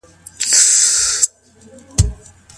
ميرمن له خاوند څخه څنګه ميراث وړي؟